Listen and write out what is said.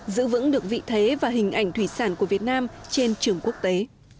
giữ vững được vị thế và hình ảnh thủy sản của việt nam trên trường quốc tế